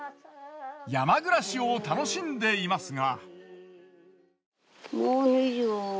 山暮らしを楽しんでいますが。